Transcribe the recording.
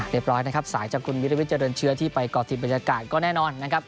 ร้อยนะครับสายจากคุณวิริวิทเจริญเชื้อที่ไปก่อทีมบรรยากาศก็แน่นอนนะครับ